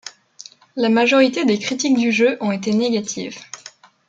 La majorité des critiques du jeu ont été négatives.